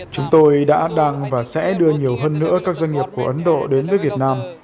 chúng tôi đã đang và sẽ đưa nhiều hơn nữa các doanh nghiệp của ấn độ đến với việt nam